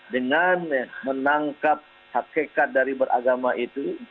dengan menangkap hakikat dari beragama itu